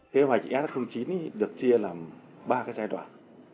kế hoạch s chín được chia làm ba cái giai đoạn